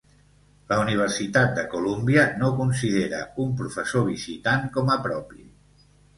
La Universitat de Columbia no considera un professor visitant com a propi.